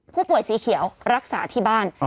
ผู้ป่วยสีเขียวรักษาที่บ้าน